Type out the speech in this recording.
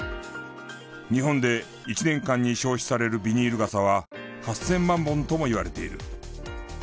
日本で１年間に消費されるビニール傘は８０００万本ともいわれている。